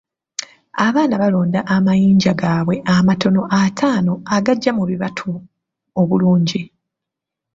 Abaana balonda amayinja gaabwe amatono ataano agagya mu bibatu obulungi.